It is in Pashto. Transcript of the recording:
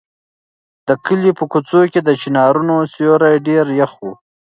د کلي په کوڅو کې د چنارونو سیوري ډېر یخ وو.